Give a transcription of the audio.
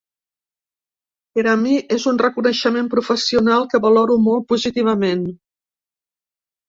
Per a mi, és un reconeixement professional que valoro molt positivament.